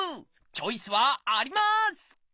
チョイスはあります！